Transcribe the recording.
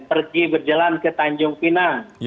pergi berjalan ke tanjung pinang